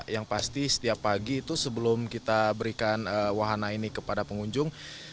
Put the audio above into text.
yang pasti setiap pagi itu sebelum kita berikan wahana ini kepada pengunjung